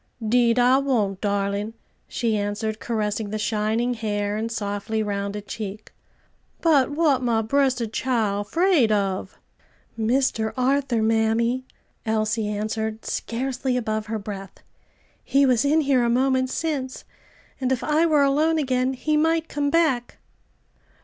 "'Deed I won't, darling" she answered, caressing the shining hair, and softly rounded cheek. "But what my bressed chile 'fraid of?" "Mr. Arthur, mammy," Elsie answered scarcely above her breath. "He was in here a moment since, and if I were alone again he might come back."